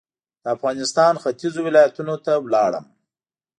د افغانستان ختيځو ولایتونو ته لاړم.